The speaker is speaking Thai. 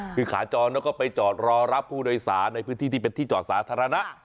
คือขาจรแล้วก็ไปจอดรอรับผู้โดยสารในพื้นที่ที่เป็นที่จอดสาธารณะ